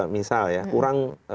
misal ya kurang